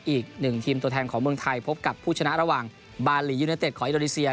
อีกหนึ่งทีมตัวแทนของเมืองไทยพบกับผู้ชนะระหว่างบาหลียูเนเต็ดของอินโดนีเซีย